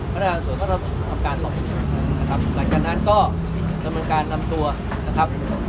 พนักงานส่วนก็จะทำการสอบสวนนะครับหลังจากนั้นก็ดำเนินการนำตัวนะครับ